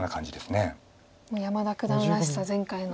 山田九段らしさ全開の。